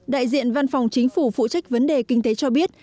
đại diện văn phòng chính phủ phụ trách vấn đề kinh tế cho biết